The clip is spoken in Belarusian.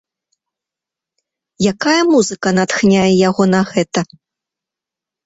Якая музыка натхняе яго на гэта?